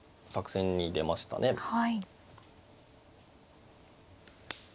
はい。